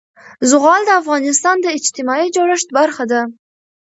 زغال د افغانستان د اجتماعي جوړښت برخه ده.